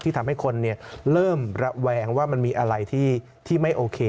ทำให้คนเริ่มระแวงว่ามันมีอะไรที่ไม่โอเค